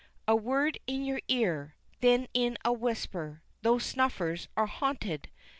A word in your ear this in a whisper those snuffers are haunted!